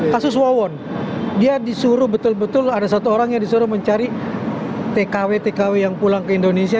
kasus wawon dia disuruh betul betul ada satu orang yang disuruh mencari tkw tkw yang pulang ke indonesia